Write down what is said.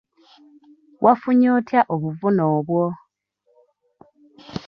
Wafunye otya obuvune obwo?